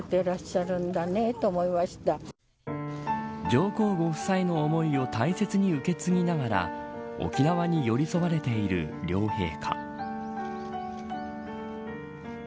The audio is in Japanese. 上皇ご夫妻の思いを大切に受け継ぎながら沖縄に寄り添われている両陛下。